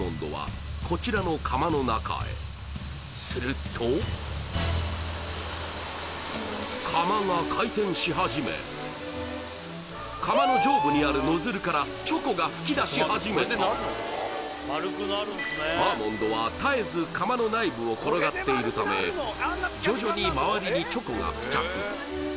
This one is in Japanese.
すると釜が回転し始め釜の上部にあるノズルからチョコが吹き出し始めたアーモンドは絶えず釜の内部を転がっているため徐々に周りにチョコが付着